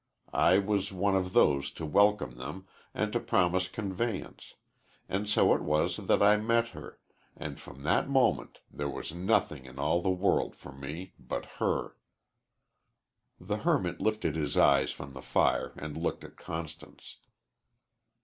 I was one of those to welcome them and to promise conveyance, and so it was that I met her, and from that moment there was nothing in all the world for me but her." The hermit lifted his eyes from the fire and looked at Constance.